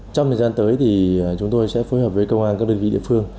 trong thời gian tới thì chúng tôi sẽ phối hợp với công an các đơn vị địa phương